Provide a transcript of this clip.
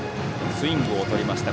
スイングをとりました。